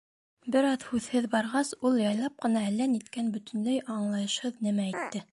Бер аҙ һүҙһеҙ барғас, ул яйлап ҡына әллә ниткән бөтөнләй аңлайышһыҙ нәмә әйтте.